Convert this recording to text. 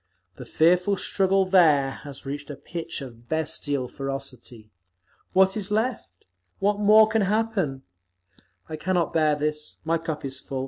The fearful struggle there has reached a pitch of bestial ferocity. What is left? What more can happen? I cannot bear this. My cup is full.